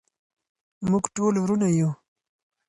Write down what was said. موږ ټول ورونه یو.